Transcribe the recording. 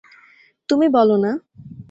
তুমি বলো না?